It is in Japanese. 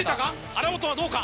荒本はどうか？